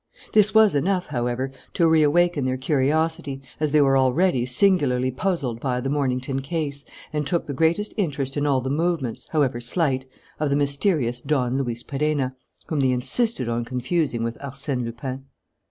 This was enough, however, to reawaken their curiosity, as they were already singularly puzzled by the Mornington case and took the greatest interest in all the movements, however slight, of the mysterious Don Luis Perenna, whom they insisted on confusing with Arsène Lupin.